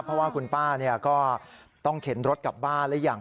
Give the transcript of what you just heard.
เพราะว่าคุณป้าก็ต้องเข็นรถกลับบ้านและอย่าง